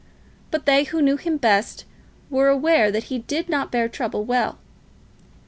But they who knew him best were aware that he did not bear trouble well.